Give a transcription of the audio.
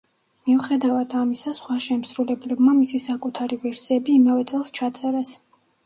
მიუხედავად ამისა, სხვა შემსრულებლებმა მისი საკუთარი ვერსიები იმავე წელს ჩაწერეს.